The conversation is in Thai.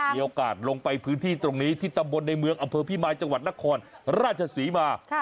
มีโอกาสลงไปพื้นที่ตรงนี้ที่ตำบลในเมืองอำเภอพิมายจังหวัดนครราชศรีมา